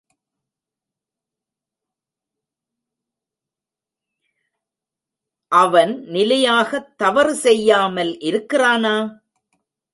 அவன் நிலையாகத் தவறு செய்யாமல் இருக்கிறானா?